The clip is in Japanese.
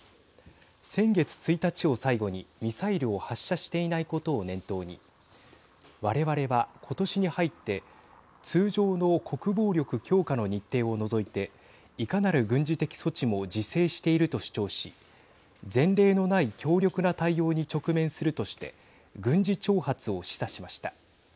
先月１日を最後にミサイルを発射していないことを念頭に我々は今年に入って通常の国防力強化の日程を除いていかなる軍事的措置も自制していると主張し前例のない強力な対応に直面するとして軍事挑発を示唆しました。